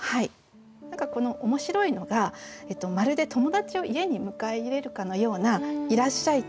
何か面白いのがまるで友達を家に迎え入れるかのような「いらっしゃい」っていう言葉。